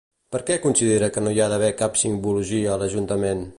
Per què considera que no hi ha d'haver cap simbologia a l'ajuntament?